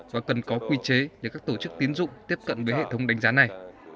và cần có quy chế để các tổ chức tiến dụng tiếp cận với hệ thống đánh giá này